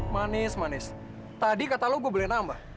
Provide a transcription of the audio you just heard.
manis manis tadi kata lo gue beliin nambah